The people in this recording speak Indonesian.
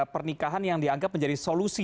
pernikahan yang dianggap menjadi solusi